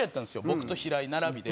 僕と平井並びで。